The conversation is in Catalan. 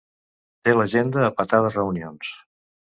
Té l'agenda a petar de reunions.